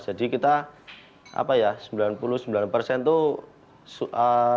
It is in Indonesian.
jadi kita sembilan puluh sembilan persen itu susah